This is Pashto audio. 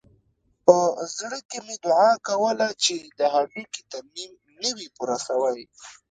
په زړه کښې مې دعا کوله چې د هډوکي ترميم نه وي پوره سوى.